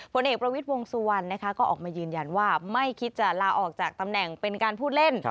ผลเอกประวิทย์วงสุวรรณนะคะก็ออกมายืนยันว่าไม่คิดจะลาออกจากตำแหน่งเป็นการพูดเล่น